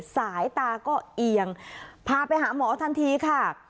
สายตาก็เอียงพาไปหาหมอทันทีค่ะ